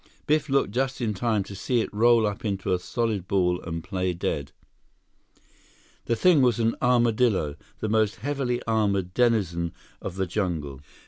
Biff looked just in time to see it roll up into a solid ball and play dead. The thing was an armadillo, the most heavily armored denizen of the jungle.